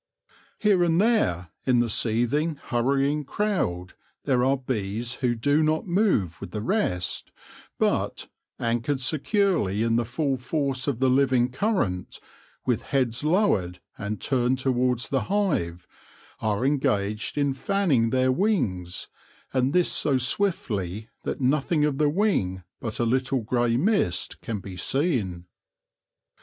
Here and there in the seething, hurrying crowd there are bees who do not move with the rest, but, anchored securely in the full force of the living current, with heads lowered and turned towards the hive, are engaged in fanning their wings, and this so swiftly that nothing of the wing t>ut a little grey mist can be seen.